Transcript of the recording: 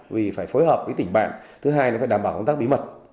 vì phải phối hợp với tỉnh bạn thứ hai là phải đảm bảo công tác bí mật